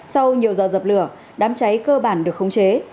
sau nhiều giờ dập lửa đám cháy cơ bản được khống chế